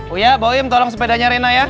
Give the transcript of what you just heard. uya bawa im tolong sepedanya rena ya